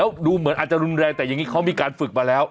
แล้วดูเหมือนอาจจะรุนแรงแต่อย่างนี้เขามีการฝึกมาแล้ว